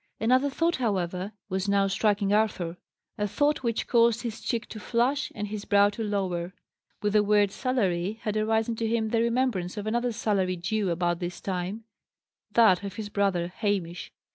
Another thought, however, was now striking Arthur; a thought which caused his cheek to flush and his brow to lower. With the word "salary" had arisen to him the remembrance of another's salary due about this time; that of his brother Hamish.